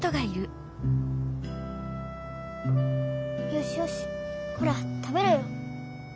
よしよしほら食べろよ。